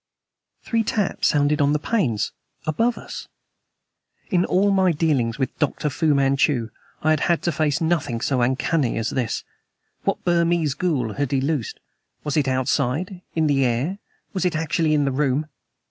Three taps sounded on the panes above us. In all my dealings with Dr. Fu Manchu I had had to face nothing so uncanny as this. What Burmese ghoul had he loosed? Was it outside, in the air? Was it actually in the room?